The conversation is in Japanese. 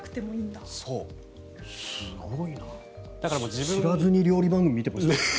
知らずに料理番組見てました。